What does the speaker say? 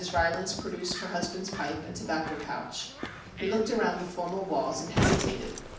Rylands produced her husband's pipe and tobacco pouch. He looked around the formal walls and hesi tated.